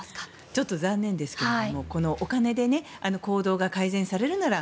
ちょっと残念ですがお金で行動が改善されるなら